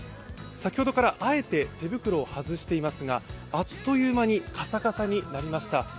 先ほどからあえて手袋を外していますが、あっという間にカサカサになりました。